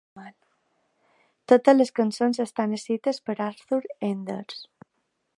Totes les cançons estan escrites per Arthur Enders.